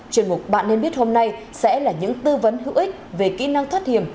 chuyên mục bạn nên biết hôm nay sẽ là những tư vấn hữu ích về kỹ năng thoát hiểm